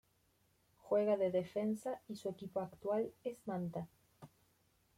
Juega de defensa y su equipo actual es Manta.